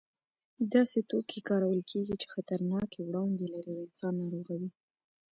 داسې توکي کارول کېږي چې خطرناکې وړانګې لري او انسان ناروغوي.